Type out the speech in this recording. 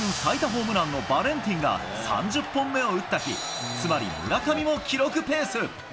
ホームランのバレンティンが３０本目を打った日、つまり村上も記録ペース。